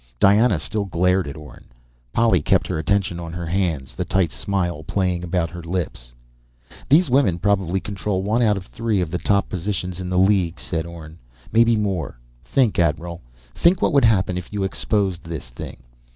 Diana still glared at Orne. Polly kept her attention on her hands, the tight smile playing about her lips. "These women probably control one out of three of the top positions in the League," said Orne. "Maybe more. Think, admiral ... think what would happen if you exposed this thing.